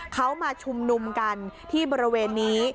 เขามาชุมนุมกันที่บริเวณนี้